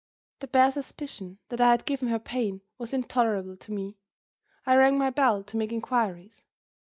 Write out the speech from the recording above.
The bare suspicion that I had given her pain was intolerable to me. I rang my bell, to make inquiries.